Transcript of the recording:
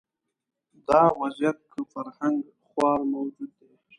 دا وضعیت کې فرهنګ خوار موجود دی